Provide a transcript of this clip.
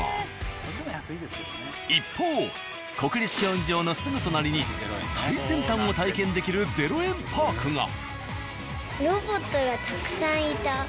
一方国立競技場のすぐ隣に最先端を体験できる０円パークが。